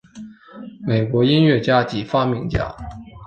美国音乐家及发明家。